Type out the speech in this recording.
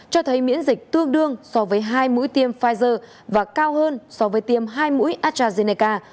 cho thấy miễn dịch tương đương so với hai mũi tiêm pfizer và cao hơn so với tiêm hai mũi astrazeneca